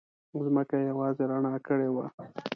ځمکه یې یوازې رڼا کړې وه.